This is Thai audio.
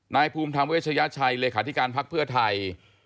นายภูมิธรรมเวชยาชัยหรือเหลคาธิการพักเพื่อไทย